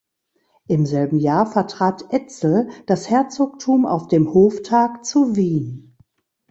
Im selben Jahr vertrat Etzel das Herzogtum auf dem Hoftag zu Wien.